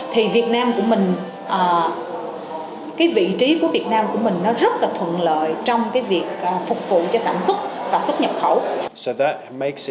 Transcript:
thì việt nam của mình cái vị trí của việt nam của mình nó rất là thuận lợi